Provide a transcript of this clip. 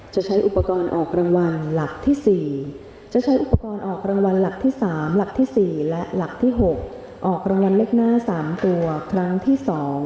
ใช้อุปกรณ์ออกรางวัลหลักที่๔จะใช้อุปกรณ์ออกรางวัลหลักที่๓หลักที่๔และหลักที่๖ออกรางวัลเลขหน้า๓ตัวครั้งที่๒